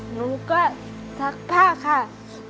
หนูก็ซักผ้าค่ะ